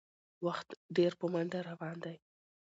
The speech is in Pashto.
وخت ډېر په منډه روان دی